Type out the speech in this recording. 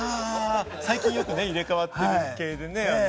最近、よく入れ替わってる系でね。